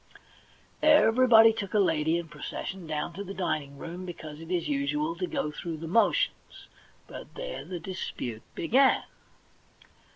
Everybody took a lady and processioned down to the dining room, because it is usual to go through the motions ; but there the dispute began.